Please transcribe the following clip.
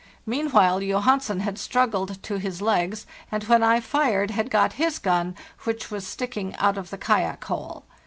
Meanwhile 8 Johansen had struggled to his legs, and when I fired had got his gun, which was sticking out of the kayak hole.